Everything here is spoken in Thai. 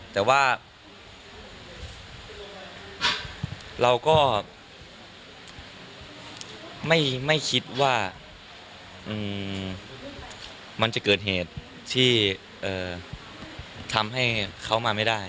แต่ว่าเราก็ไม่คิดว่ามันจะเกิดเหตุที่ทำให้เขามาไม่ได้